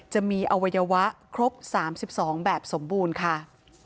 จะมีอวัยวะครบ๓๒แบบสมบูรณ์ค่ะ